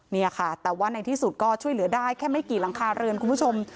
นี่ค่ะแต่ว่าในที่สุดก็ช่วยเหลือได้แค่ไม่กี่หลังคาเรือนคุณผู้ชม